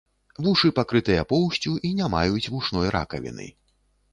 Вушы пакрытыя поўсцю і не маюць вушной ракавіны.